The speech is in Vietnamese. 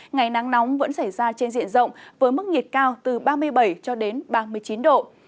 ngày nắng nóng vẫn xảy ra trên diện rộng với mức nhiệt cao từ ba mươi bảy cho đến ba mươi chín độ